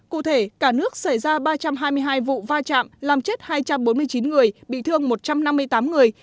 cụ thể cả nước xảy ra ba trăm hai mươi hai vụ va chạm làm chết hai trăm bốn mươi chín người bị thương một trăm năm mươi tám người